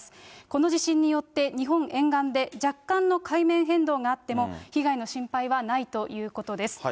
この地震によって、日本沿岸で若干の海面変動があっても、被害の心配はないということです。